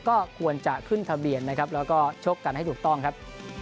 ก็ควรจะขึ้นทะเบียนนะครับแล้วก็ชกกันให้ถูกต้องครับ